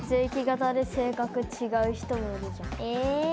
え？